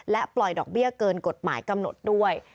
ปล่อยดอกเบี้ยเกินกฎหมายกำหนดด้วย